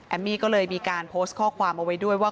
มี่ก็เลยมีการโพสต์ข้อความเอาไว้ด้วยว่า